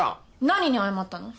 何に謝ったの？